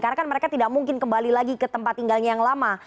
karena kan mereka tidak mungkin kembali lagi ke tempat tinggalnya yang lama